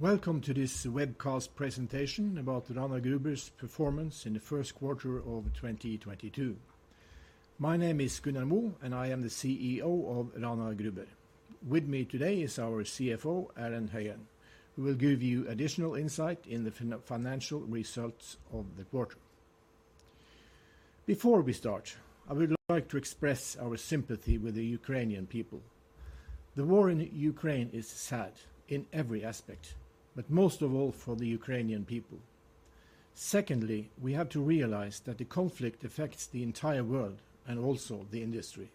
Welcome to this webcast presentation about Rana Gruber's performance in the first quarter of 2022. My name is Gunnar Moe, and I am the CEO of Rana Gruber. With me today is our CFO, Erlend Høyen, who will give you additional insight into the financial results of the quarter. Before we start, I would like to express our sympathy with the Ukrainian people. The war in Ukraine is sad in every aspect, but most of all for the Ukrainian people. Secondly, we have to realize that the conflict affects the entire world and also the industry.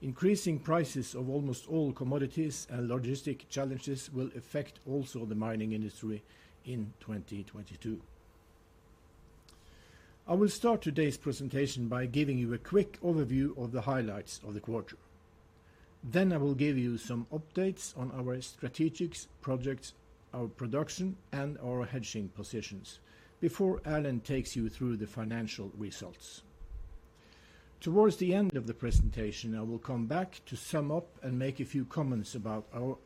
Increasing prices of almost all commodities and logistical challenges will affect also the mining industry in 2022. I will start today's presentation by giving you a quick overview of the highlights of the quarter. I will give you some updates on our strategic projects, our production, and our hedging positions before Erlend takes you through the financial results. Towards the end of the presentation, I will come back to sum up and make a few comments about our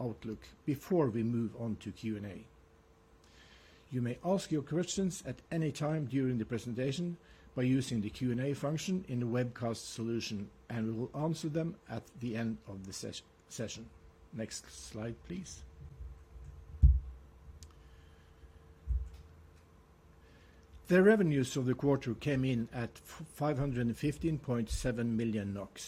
outlook before we move on to Q&A. You may ask your questions at any time during the presentation by using the Q&A function in the webcast solution, and we will answer them at the end of the session. Next slide, please. The revenues of the quarter came in at 515.7 million NOK.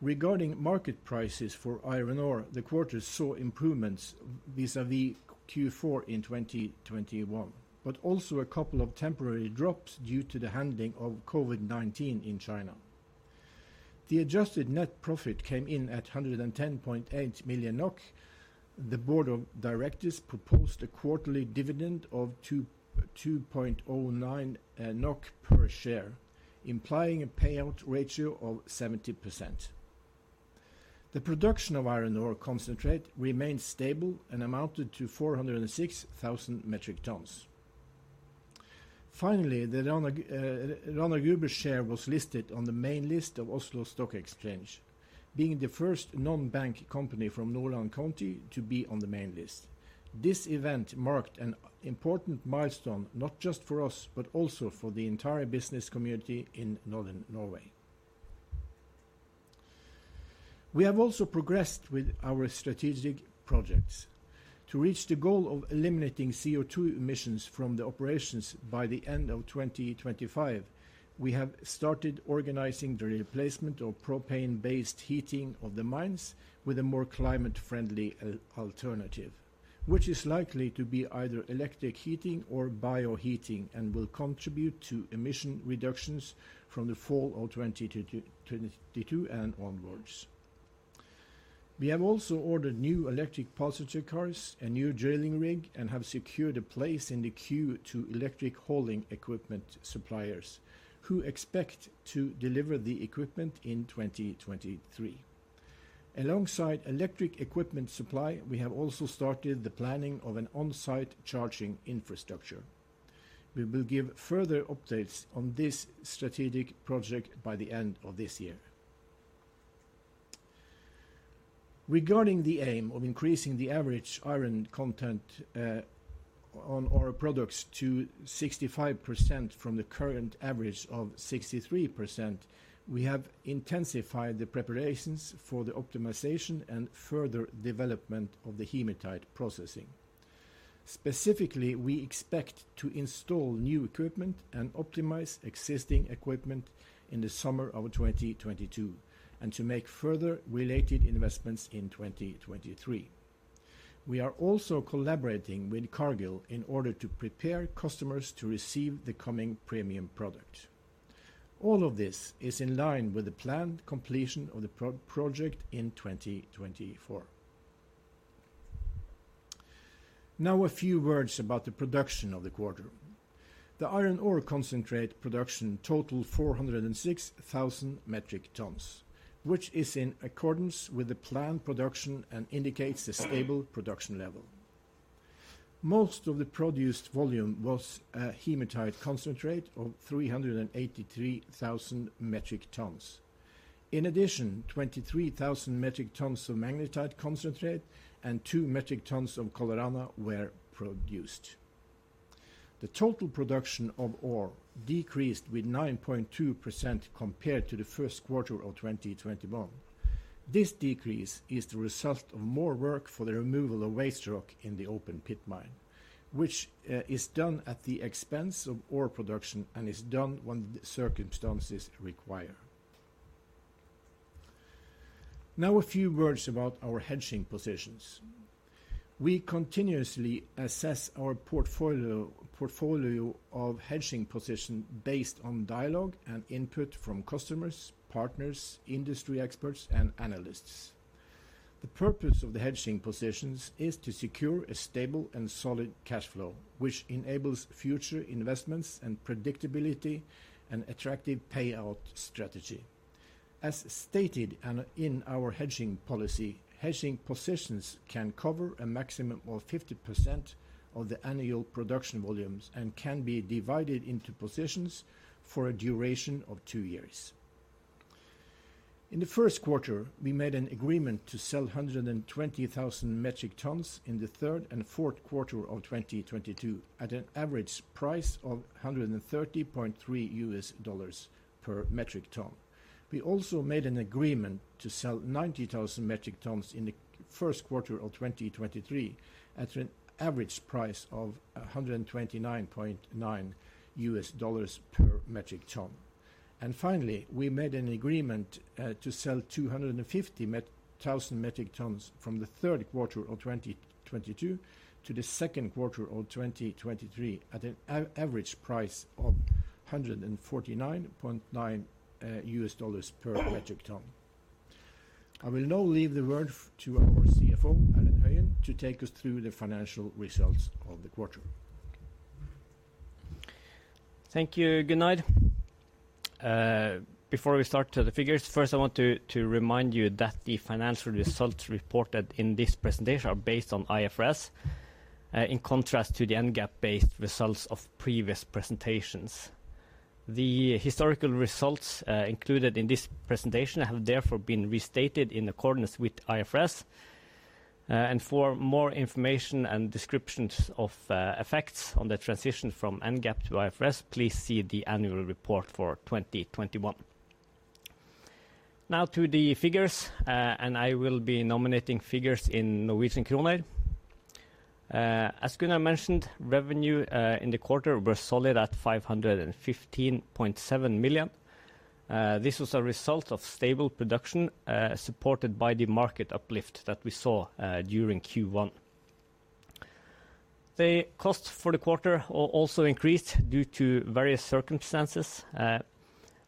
Regarding market prices for iron ore, the quarter saw improvements vis-à-vis Q4 in 2021, but also a couple of temporary drops due to the handling of COVID-19 in China. The adjusted net profit came in at 110.8 million NOK. The board of directors proposed a quarterly dividend of 2.09 NOK per share, implying a payout ratio of 70%. The production of iron ore concentrate remained stable and amounted to 406,000 metric tons. Finally, the Rana Gruber share was listed on the main list of Oslo Stock Exchange, being the first non-bank company from Nordland County to be on the main list. This event marked an important milestone, not just for us, but also for the entire business community in Northern Norway. We have also progressed with our strategic projects. To reach the goal of eliminating CO2 emissions from the operations by the end of 2025, we have started organizing the replacement of propane-based heating of the mines with a more climate-friendly alternative, which is likely to be either electric heating or bioheating and will contribute to emission reductions from the fall of 2022 and onwards. We have also ordered new electric passenger cars, a new drilling rig, and have secured a place in the queue to electric hauling equipment suppliers who expect to deliver the equipment in 2023. Alongside electric equipment supply, we have also started the planning of an on-site charging infrastructure. We will give further updates on this strategic project by the end of this year. Regarding the aim of increasing the average iron content on our products to 65% from the current average of 63%, we have intensified the preparations for the optimization and further development of the hematite processing. Specifically, we expect to install new equipment and optimize existing equipment in the summer of 2022, and to make further related investments in 2023. We are also collaborating with Cargill in order to prepare customers to receive the coming premium product. All of this is in line with the planned completion of the pro project in 2024. Now a few words about the production of the quarter. The iron ore concentrate production total 406,000 metric tons, which is in accordance with the planned production and indicates a stable production level. Most of the produced volume was a hematite concentrate of 383,000 metric tons. In addition, 23,000 metric tons of magnetite concentrate and two metric tons of Colorana were produced. The total production of ore decreased with 9.2% compared to the first quarter of 2021. This decrease is the result of more work for the removal of waste rock in the open pit mine, which is done at the expense of ore production and is done when the circumstances require. Now a few words about our hedging positions. We continuously assess our portfolio of hedging positions based on dialogue and input from customers, partners, industry experts, and analysts. The purpose of the hedging positions is to secure a stable and solid cash flow, which enables future investments and predictability and attractive payout strategy. As stated in our hedging policy, hedging positions can cover a maximum of 50% of the annual production volumes and can be divided into positions for a duration of two years. In the first quarter, we made an agreement to sell 120,000 metric tons in the third and fourth quarter of 2022 at an average price of $130.3 per metric ton. We also made an agreement to sell 90,000 metric tons in the first quarter of 2023 at an average price of $129.9 per metric ton. Finally, we made an agreement to sell 250,000 metric tons from the third quarter of 2022 to the second quarter of 2023 at an average price of $149.9 per metric ton. I will now leave the word to our CFO, Erlend Høyen, to take us through the financial results of the quarter. Thank you, Gunnar. Before we start to the figures, first, I want to remind you that the financial results reported in this presentation are based on IFRS, in contrast to the NGAAP-based results of previous presentations. The historical results included in this presentation have therefore been restated in accordance with IFRS. For more information and descriptions of effects on the transition from NGAAP to IFRS, please see the annual report for 2021. Now to the figures. I will be denominating figures in Norwegian krone. As Gunnar mentioned, revenue in the quarter was solid at 515.7 million. This was a result of stable production, supported by the market uplift that we saw during Q1. The costs for the quarter also increased due to various circumstances.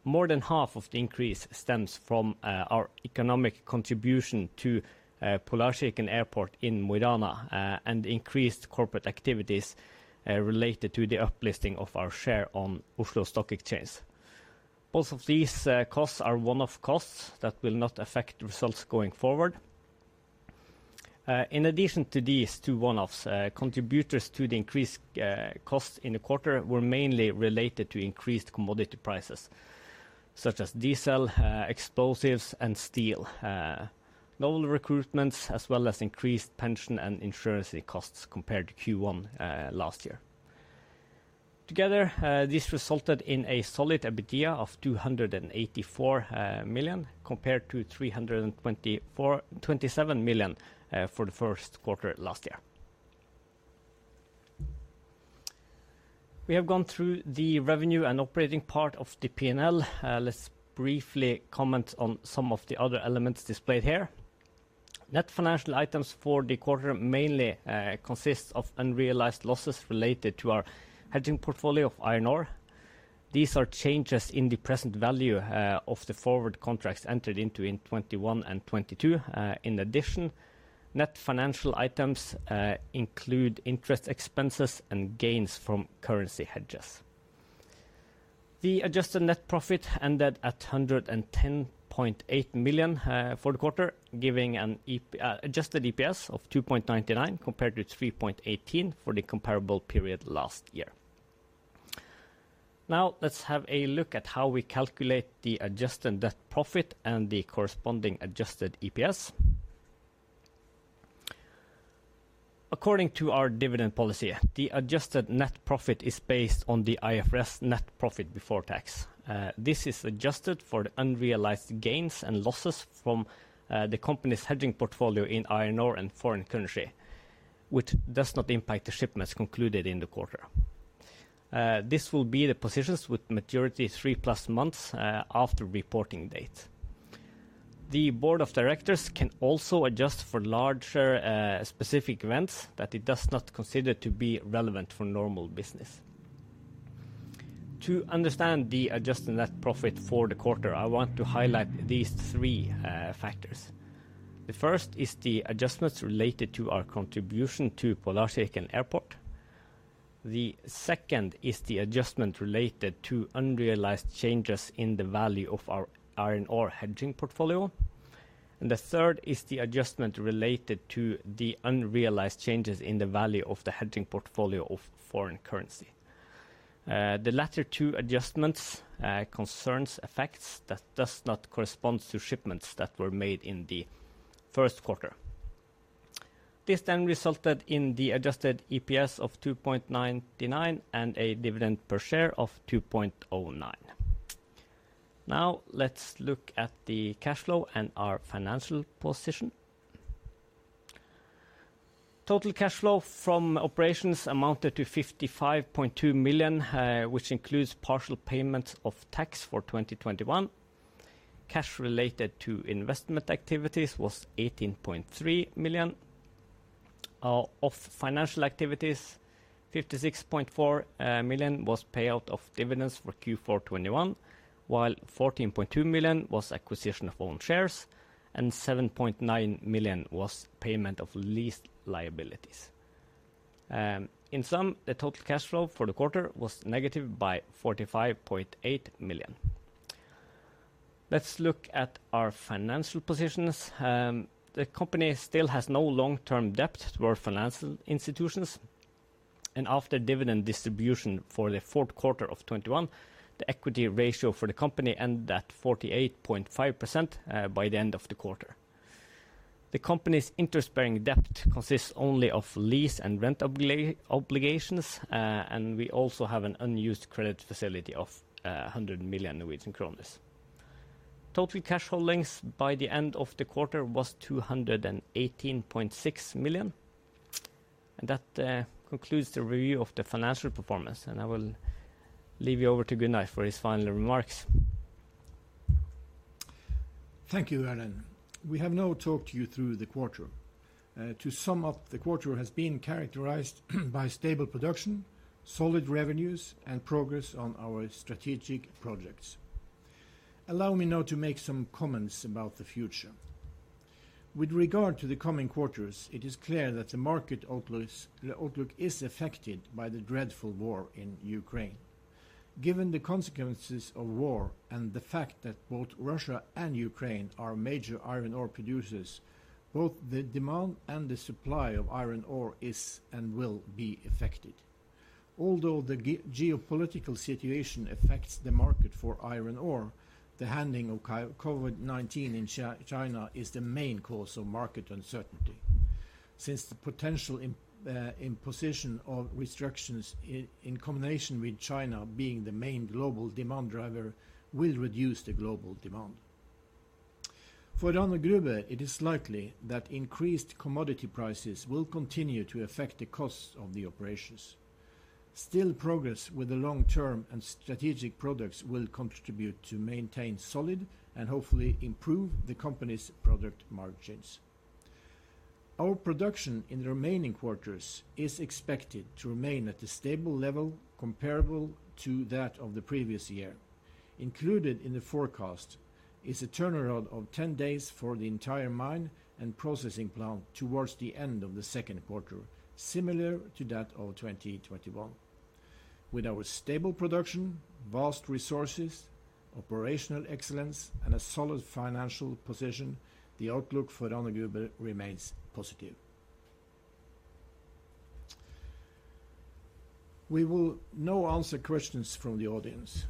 More than half of the increase stems from our economic contribution to Polarsirkelen Airport in Mo i Rana and increased corporate activities related to the uplisting of our share on Oslo Stock Exchange. Both of these costs are one-off costs that will not affect results going forward. In addition to these two one-offs, contributors to the increased cost in the quarter were mainly related to increased commodity prices, such as diesel, explosives and steel, new recruitments, as well as increased pension and insurance costs compared to Q1 last year. Together, this resulted in a solid EBITDA of 284 million compared to 327 million for the first quarter last year. We have gone through the revenue and operating part of the P&L. Let's briefly comment on some of the other elements displayed here. Net financial items for the quarter mainly consists of unrealized losses related to our hedging portfolio of iron ore. These are changes in the present value of the forward contracts entered into in 2021 and 2022. In addition, net financial items include interest expenses and gains from currency hedges. The adjusted net profit ended at 110.8 million for the quarter, giving an adjusted EPS of 2.99 compared to 3.18 for the comparable period last year. Now, let's have a look at how we calculate the adjusted net profit and the corresponding adjusted EPS. According to our dividend policy, the adjusted net profit is based on the IFRS net profit before tax. This is adjusted for the unrealized gains and losses from the company's hedging portfolio in iron ore and foreign currency, which does not impact the shipments concluded in the quarter. This will be the positions with maturity three plus months after reporting date. The board of directors can also adjust for larger specific events that it does not consider to be relevant for normal business. To understand the adjusted net profit for the quarter, I want to highlight these three factors. The first is the adjustments related to our contribution to Polarsirkelen Airport. The second is the adjustment related to unrealized changes in the value of our iron ore hedging portfolio. The third is the adjustment related to the unrealized changes in the value of the hedging portfolio of foreign currency. The latter two adjustments concerns effects that does not correspond to shipments that were made in the first quarter. This then resulted in the adjusted EPS of 2.99 and a dividend per share of 2.09. Now let's look at the cash flow and our financial position. Total cash flow from operations amounted to 55.2 million, which includes partial payments of tax for 2021. Cash related to investment activities was 18.3 million. Of financial activities, 56.4 million was payout of dividends for Q4 2021, while 14.2 million was acquisition of own shares, and 7.9 million was payment of lease liabilities. In sum, the total cash flow for the quarter was negative by 45.8 million. Let's look at our financial positions. The company still has no long-term debt toward financial institutions. After dividend distribution for the fourth quarter of 2021, the equity ratio for the company end at 48.5% by the end of the quarter. The company's interest-bearing debt consists only of lease and rent obligations. We also have an unused credit facility of 100 million Norwegian kroner. Total cash holdings by the end of the quarter was 218.6 million. That concludes the review of the financial performance, and I will leave you over to Gunnar for his final remarks. Thank you, Erlend. We have now talked you through the quarter. To sum up, the quarter has been characterized by stable production, solid revenues, and progress on our strategic projects. Allow me now to make some comments about the future. With regard to the coming quarters, it is clear that the market outlook is affected by the dreadful war in Ukraine. Given the consequences of war and the fact that both Russia and Ukraine are major iron ore producers, both the demand and the supply of iron ore is and will be affected. Although the geopolitical situation affects the market for iron ore, the handling of COVID-19 in China is the main cause of market uncertainty. Since the potential imposition of restrictions in combination with China being the main global demand driver will reduce the global demand. For Rana Gruber, it is likely that increased commodity prices will continue to affect the costs of the operations. Still progress with the long-term and strategic products will contribute to maintain solid and hopefully improve the company's product margins. Our production in the remaining quarters is expected to remain at a stable level comparable to that of the previous year. Included in the forecast is a turnaround of 10 days for the entire mine and processing plant towards the end of the second quarter, similar to that of 2021. With our stable production, vast resources, operational excellence, and a solid financial position, the outlook for Rana Gruber remains positive. We will now answer questions from the audience.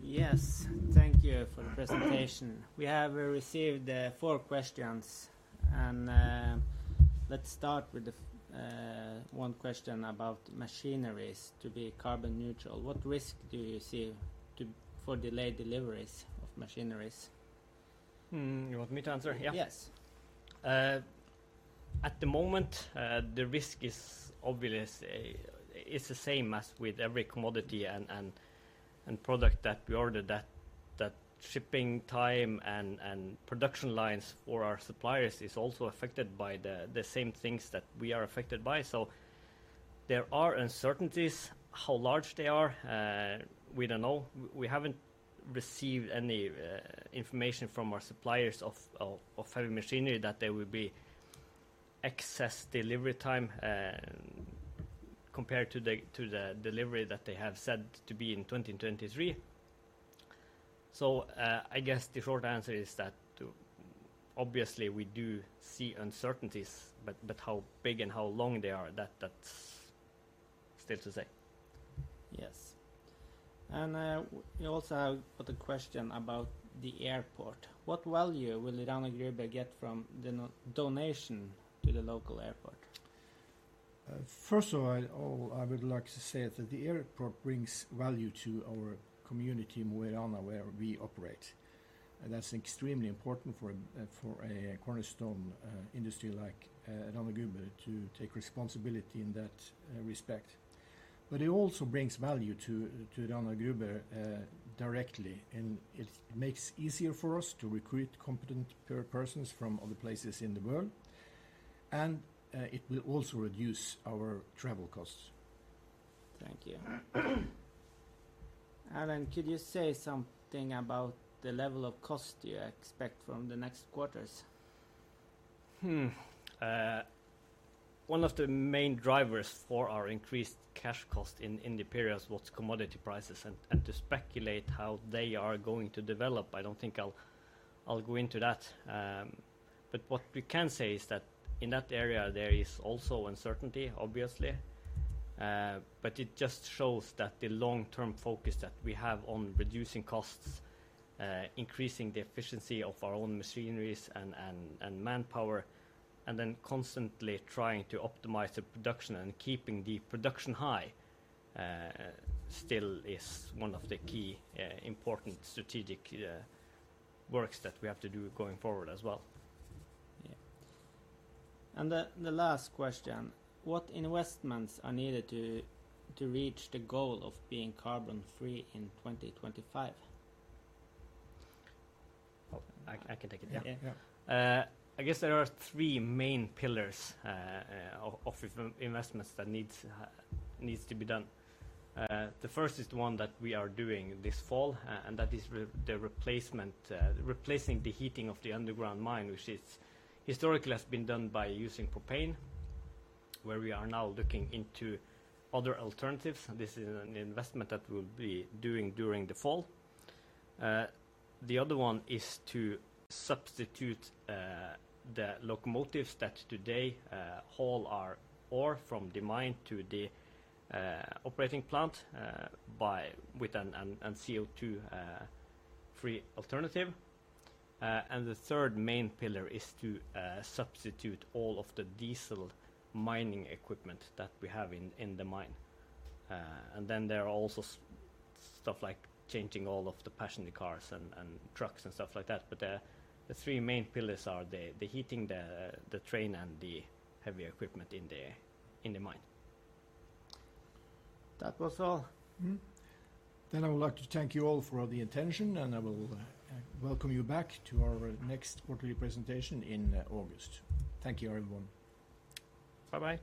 Yes. Thank you for the presentation. We have received four questions, and let's start with one question about machineries to be carbon neutral. What risk do you see for delayed deliveries of machineries? You want me to answer? Yeah. Yes. At the moment, the risk is obviously it's the same as with every commodity and product that we order that shipping time and production lines for our suppliers is also affected by the same things that we are affected by. There are uncertainties. How large they are, we don't know. We haven't received any information from our suppliers of heavy machinery that there will be excess delivery time compared to the delivery that they have said to be in 2023. I guess the short answer is that obviously we do see uncertainties, but how big and how long they are, that's still to say. Yes. We also have another question about the airport. What value will the Rana Gruber get from the new donation to the local airport? First of all, I would like to say that the airport brings value to our community in Mo i Rana where we operate. That's extremely important for a cornerstone industry like Rana Gruber to take responsibility in that respect. It also brings value to Rana Gruber directly, and it makes easier for us to recruit competent persons from other places in the world, and it will also reduce our travel costs. Thank you. Erlend, could you say something about the level of cost you expect from the next quarters? One of the main drivers for our increased cash cost in the period was commodity prices. To speculate how they are going to develop, I don't think I'll go into that. What we can say is that in that area, there is also uncertainty, obviously. It just shows that the long-term focus that we have on reducing costs, increasing the efficiency of our own machineries and manpower, and then constantly trying to optimize the production and keeping the production high, still is one of the key important strategic works that we have to do going forward as well. Yeah. The last question, what investments are needed to reach the goal of being carbon-free in 2025? Oh, I can take it. Yeah. Yeah. I guess there are three main pillars of investments that needs to be done. The first is the one that we are doing this fall, and that is the replacement, replacing the heating of the underground mine, which historically has been done by using propane, where we are now looking into other alternatives. This is an investment that we'll be doing during the fall. The other one is to substitute the locomotives that today haul our ore from the mine to the operating plant with a CO2 free alternative. The third main pillar is to substitute all of the diesel mining equipment that we have in the mine. There are also stuff like changing all of the passenger cars and trucks and stuff like that. The three main pillars are the heating, the train, and the heavy equipment in the mine. That was all. Mm-hmm. I would like to thank you all for the attention, and I will welcome you back to our next quarterly presentation in August. Thank you, everyone. Bye-bye.